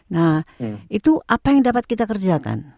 nah itu apa yang dapat kita kerjakan